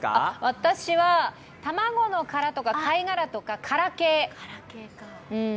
私は、卵の殻とか貝殻とか殻系？